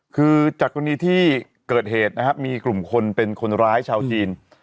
คือจากกรณีที่เกิดเหตุนะครับมีกลุ่มคนเป็นคนร้ายชาวจีน